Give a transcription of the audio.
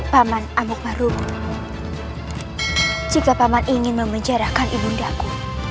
paman amuk marum jika paman ingin memenjarakan ibu bundaku